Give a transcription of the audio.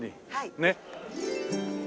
ねっ。